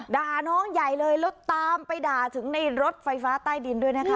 ด่าน้องใหญ่เลยแล้วตามไปด่าถึงในรถไฟฟ้าใต้ดินด้วยนะคะ